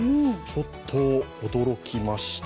ちょっと驚きました。